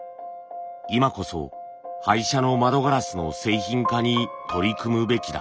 今こそ廃車の窓ガラスの製品化に取り組むべきだ。